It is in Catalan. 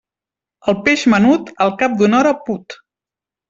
El peix menut, al cap d'una hora put.